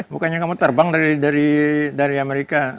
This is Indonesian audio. bukannya kamu terbang dari amerika